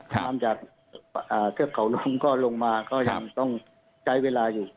น้ำจากเทือกเขานมก็ลงมาก็ยังต้องใช้เวลาอยู่